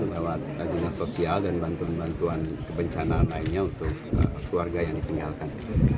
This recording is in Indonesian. lewat dinas sosial dan bantuan bantuan kebencanaan lainnya untuk keluarga yang ditinggalkan